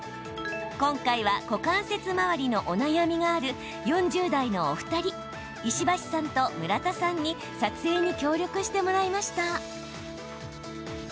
今回は股関節周りのお悩みがある４０代のお二人石橋さんと、村田さんに撮影に協力してもらいました。